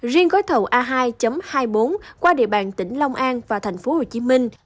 riêng gói thầu a hai hai mươi bốn qua địa bàn tỉnh long an và thành phố hồ chí minh